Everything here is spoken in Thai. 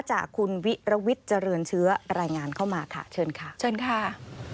จากคุณวิรวิทย์เจริญเชื้อรายงานเข้ามาค่ะเชิญค่ะเชิญค่ะ